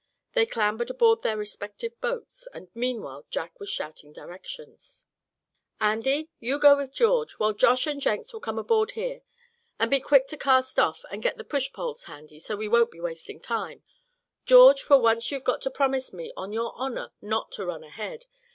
They clambered aboard their respective boats and meanwhile Jack was shouting directions: "Andy, you go with George, while Josh and Jenks will come aboard here. And be quick to cast off, and get the push poles handy, so we won't be wasting time. George, for once you've got to promise me on your honor not to run ahead.